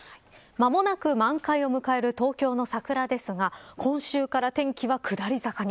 間もなく満開を迎える東京の桜ですが今週から天気は下り坂に。